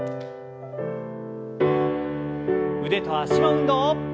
腕と脚の運動。